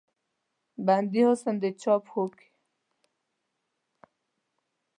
بندي حسن د چا پښو کې